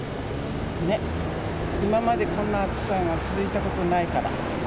ね、今までこんな暑さが続いたことないから。